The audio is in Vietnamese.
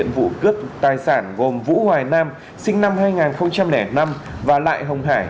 vụ cướp tài sản gồm vũ hoài nam sinh năm hai nghìn năm và lại hồng hải